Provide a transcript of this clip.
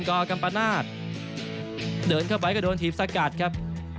กก์น์กำปนาสเดินเข้าไปก็โดนทีฟซักตครับ